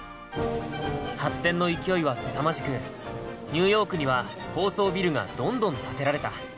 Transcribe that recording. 発展の勢いはすさまじくニューヨークには高層ビルがどんどん建てられた。